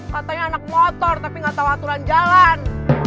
katanya anak motor tapi gak tau aturan jalan